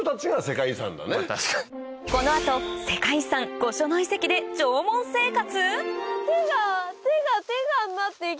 この後世界遺産・御所野遺跡で縄文生活？